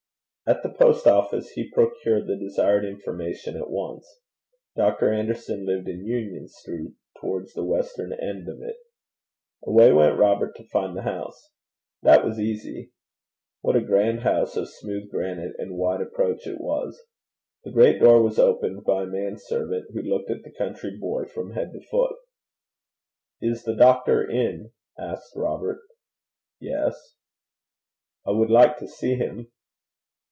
At the Post office he procured the desired information at once. Dr. Anderson lived in Union Street, towards the western end of it. Away went Robert to find the house. That was easy. What a grand house of smooth granite and wide approach it was! The great door was opened by a man servant, who looked at the country boy from head to foot. 'Is the doctor in?' asked Robert. 'Yes.' 'I wad like to see him.'